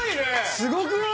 すごくない！？